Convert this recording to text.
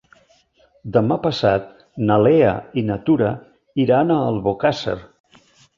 Demà passat na Lea i na Tura iran a Albocàsser.